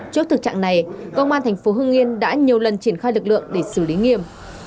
trước thực trạng này công an thành phố hưng yên đã nhiều lần triển khai lực lượng để xử lý nghiêm